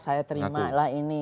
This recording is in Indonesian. saya terima lah ini